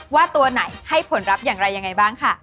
ว่าตัวไหนให้ผลลัพธ์อย่างไรยังไงบ้างค่ะ